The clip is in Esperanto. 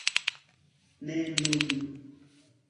Ne nun.